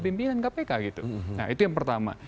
pimpinan kpk gitu nah itu yang pertama